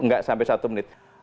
enggak sampai satu menit